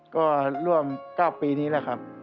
ก็ร่วม๙ปีนี้แหละครับ